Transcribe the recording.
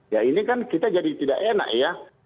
ya ini kan kita jadi tidak enak ya